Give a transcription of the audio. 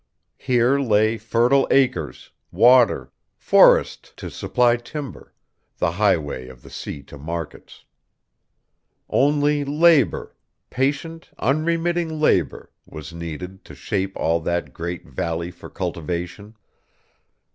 Here lay fertile acres, water, forests to supply timber, the highway of the sea to markets. Only labor, patient, unremitting labor was needed to shape all that great valley for cultivation.